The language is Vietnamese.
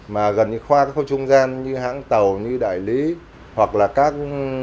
mà gần như khoa các khu trung gian như hãng tàu như đại lý hoặc là các